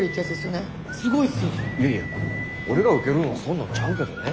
いやいや俺が受けるんはそんなんちゃうけどね。